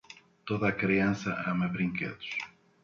Toda criança ama brinquedos.